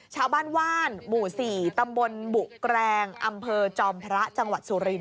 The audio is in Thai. ชาวบ้านว่านหมู่๔ตำบลบุแกรงอำเภอจอมพระจังหวัดสุรินท